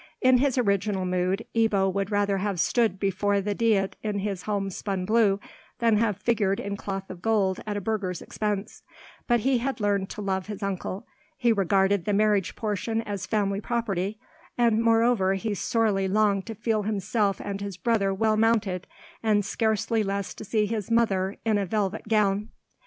In his original mood, Ebbo would rather have stood before the Diet in his home spun blue than have figured in cloth of gold at a burgher's expense; but he had learned to love his uncle, he regarded the marriage portion as family property, and moreover he sorely longed to feel himself and his brother well mounted, and scarcely less to see his mother in a velvet gown.